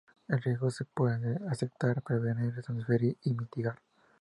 El riesgo se puede: aceptar, prevenir, transferir o mitigar.